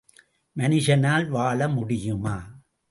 மனுஷனால் வாழ முடியுமா?